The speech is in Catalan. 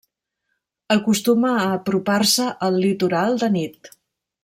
Acostuma a apropar-se al litoral de nit.